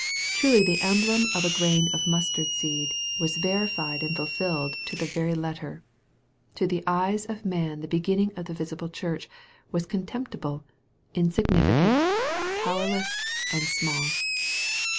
Truly the emblem of a grain of mustard seed was verified and fulfilled to the very letter. To the eyes of man the beginning of the visible church was contemptible, insignificant, pow erless, and small.